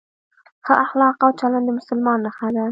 ښه اخلاق او چلند د مسلمان نښه ده.